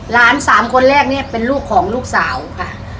สามคนแรกเนี่ยเป็นลูกของลูกสาวค่ะ